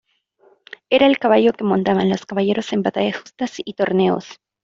Era el caballo que montaban los caballeros en batallas, justas y torneos.